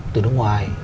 từ nước ngoài